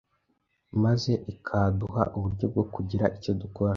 maze ikaduha uburyo bwo kugira icyo dukora.